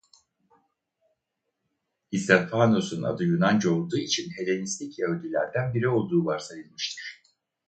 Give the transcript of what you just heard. İstefanos'un adı Yunanca olduğu için Helenistik Yahudilerden biri olduğu varsayılmıştır.